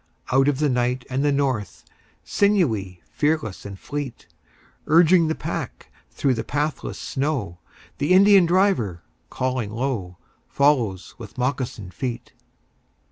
Out of the night and the north, Sinewy, fearless and fleet, Urging the pack through the pathless snow, The Indian driver, calling low, Follows with moccasined feet.